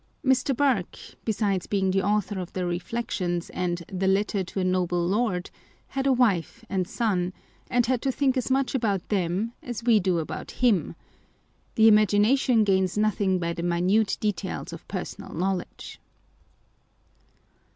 Mr. Burke, besides being the author of the Reflections, and the Letter to a Noble Lord, had a wife and son ; and had to think as much about them as we do about him. The imagination gains nothing by the minute details of personal knowledge.